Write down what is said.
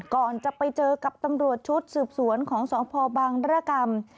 ก่อนจะไปเจอกับตำรวจชุดสืบสวนของสพบังรกรรม